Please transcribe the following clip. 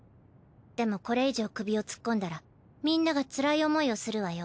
でもこれ以上首を突っ込んだらみんながつらい思いをするわよ